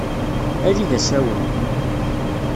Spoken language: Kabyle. Ali d asawen.